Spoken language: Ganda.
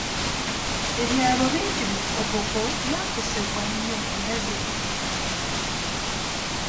Ebyalo bingi mu Koboko byakosebwa nnyo era byetaaga obuyambi.